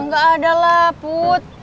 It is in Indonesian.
gak ada lah put